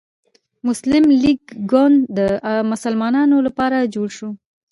مسلم لیګ ګوند د مسلمانانو لپاره جوړ شو.